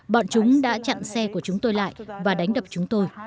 bọn chúng đã chặn xe của chúng tôi lại và đánh đập chúng tôi